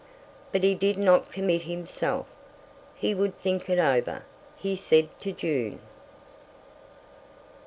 But he did not commit himself. He would think it over—he said to June.